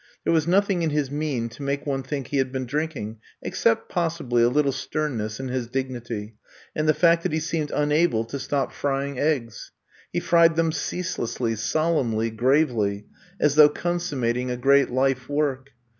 There was noth ing in his mien to make one think he had been drinking, except, possibly, a little sternness in his dignity — and the fact that he seemed unable to stop frying eggs. He fried them ceaselessly, solemnly, gravely, as though consummating a great life work.